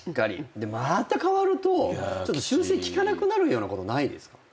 でまた変わると修正きかなくなるようなことないですか？